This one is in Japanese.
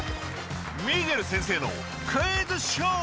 「ミゲル先生のクイズショー！